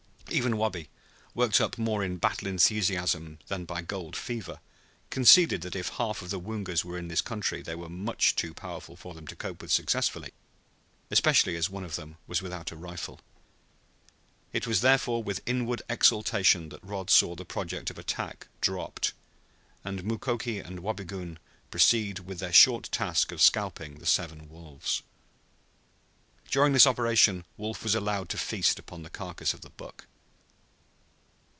Even Wabi, worked up more in battle enthusiasm than by gold fever, conceded that if half of the Woongas were in this country they were much too powerful for them to cope with successfully, especially as one of them was without a rifle. It was therefore with inward exultation that Rod saw the project of attack dropped and Mukoki and Wabigoon proceed with their short task of scalping the seven wolves. During this operation Wolf was allowed to feast upon the carcass of the buck.